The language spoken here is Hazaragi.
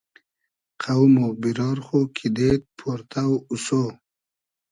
قۆم و بیرار خو کیدېد پۉرتۆ اوسۉ